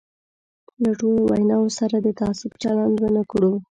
له ټولو ویناوو سره د تعصب چلند ونه کړو.